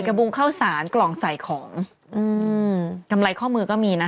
บุงข้าวสารกล่องใส่ของอืมกำไรข้อมือก็มีนะ